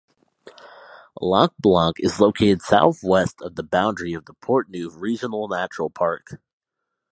Lac Blanc is located southwest of the boundary of the Portneuf Regional Natural Park.